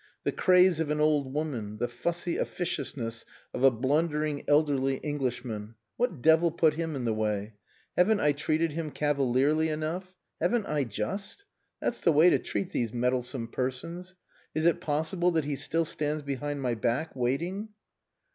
The craze of an old woman the fussy officiousness of a blundering elderly Englishman. What devil put him in the way? Haven't I treated him cavalierly enough? Haven't I just? That's the way to treat these meddlesome persons. Is it possible that he still stands behind my back, waiting?"